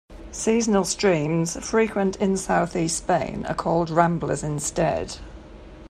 Seasonal streams, frequent in south-east Spain, are called "ramblas" instead.